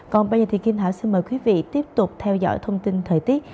còn bây giờ thì kim thảo xin mời quý vị tiếp tục theo dõi thông tin thời tiết